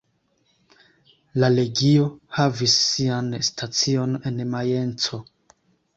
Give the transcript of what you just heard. La legio havis sian stacion en Majenco.